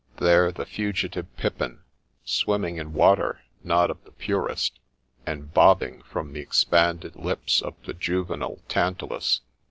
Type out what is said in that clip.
There the fugitive pippin, swimming in water not of the purest, and bobbing from the expanded lips of the juvenile Tantalus.